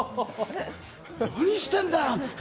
何してんだよ！って言って。